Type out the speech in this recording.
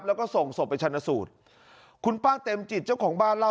แล้วก็ส่งศพไปชันสูตรคุณป้าเต็มจิตเจ้าของบ้านเล่า